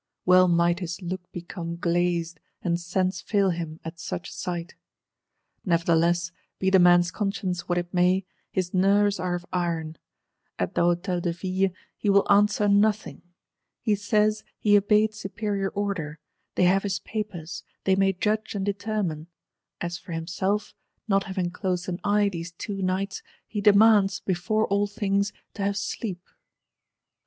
Well might his "look become glazed," and sense fail him, at such sight!—Nevertheless, be the man's conscience what it may, his nerves are of iron. At the Hôtel de Ville, he will answer nothing. He says, he obeyed superior order; they have his papers; they may judge and determine: as for himself, not having closed an eye these two nights, he demands, before all things, to have sleep.